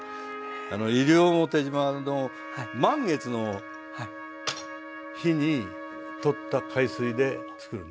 西表島の満月の日にとった海水でつくるんです。